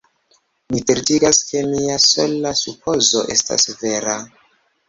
Mi certigas, ke mia sola supozo estas vera.